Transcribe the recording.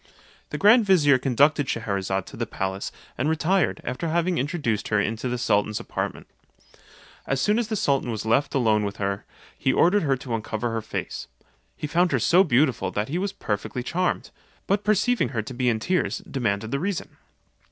The grand vizier conducted Schcherazade to the palace, and retired, after having introduced her into the sultan's apartment. As soon as the sultan was left alone with her, he ordered her to uncover her face: he found her so beautiful that he was perfectly charmed; but perceiving her to be in tears, demanded the reason.